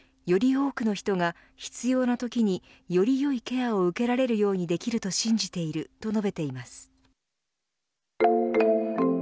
多くの人が必要なときによりよいケアを受けられるようにできると信じていると述べています。